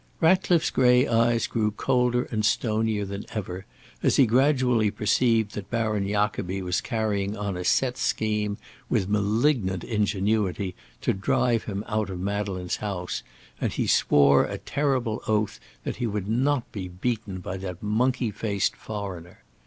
Ratcliffe's grey eyes grew colder and stonier than ever as he gradually perceived that Baron Jacobi was carrying on a set scheme with malignant ingenuity, to drive him out of Madeleine's house, and he swore a terrible oath that he would not be beaten by that monkey faced foreigner.